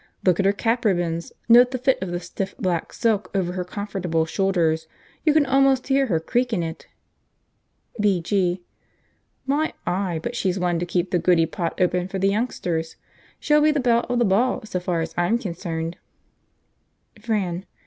Look at her cap ribbons; note the fit of the stiff black silk over her comfortable shoulders; you can almost hear her creak in it!" B.G. "My eye! but she's one to keep the goody pot open for the youngsters! She'll be the belle of the ball so far as I'm concerned." Fran.